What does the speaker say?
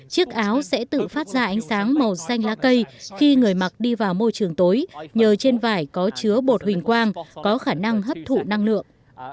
chiếc áo sẽ tự phát ra ánh sáng màu xanh lá cây khi người mặc đi vào môi trường tối nhờ trên vải có chứa bột hình quang có khả năng hấp thụ năng lượng